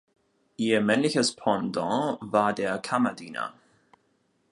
Ihr männliches Pendant war der Kammerdiener.